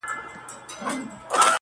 هسي بیا نه راځو اوس لا خُمار باسه